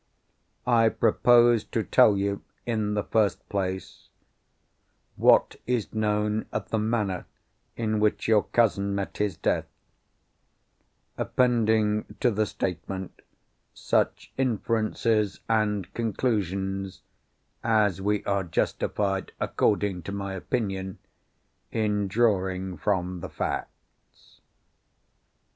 I propose to tell you—in the first place—what is known of the manner in which your cousin met his death; appending to the statement such inferences and conclusions as we are justified (according to my opinion) in drawing from the facts.